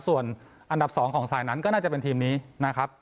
ส่วนอันดับ๒ของสายนั้นก็น่าจะเป็นทีมนี้นะครับ